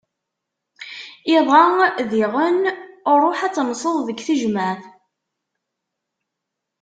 Iḍ-a diɣen, ruḥ ad tenseḍ deg tejmeɛt.